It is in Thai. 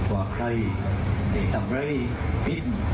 ว่าใครได้ตำเลเผียบ